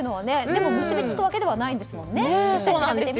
でも結びつくわけではないですね。